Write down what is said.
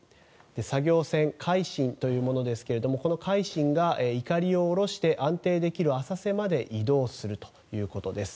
作業船「海進」というものですがこの「海進」がいかりを下ろして安定できる浅瀬まで移動するということです。